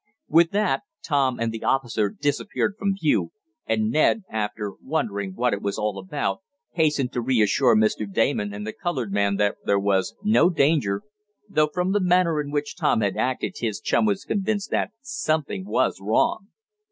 With that Tom and the officer disappeared from view, and Ned, after wondering what it was all about, hastened to reassure Mr. Damon and the colored man that there was no danger, though from the manner in which Tom had acted his chum was convinced that something was wrong.